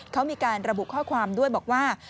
เขามีการระบุข้อความด้วยบอกว่า